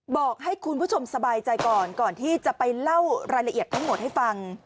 บอกให้คุณผู้ชมสบายใจก่อนก่อนที่จะไปเล่ารายละเอียดทั้งหมดให้ฟัง